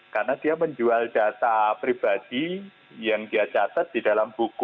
karena dia menjual data pribadi yang dia catat di dalam buku